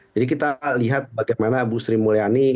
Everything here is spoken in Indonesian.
jadi kita lihat bagaimana ibu sri mulyani